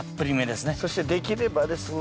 そしてできればですね